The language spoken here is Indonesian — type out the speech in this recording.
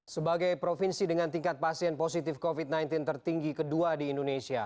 sebagai provinsi dengan tingkat pasien positif covid sembilan belas tertinggi kedua di indonesia